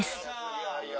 いやいや